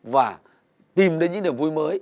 và tìm đến những điều vui mới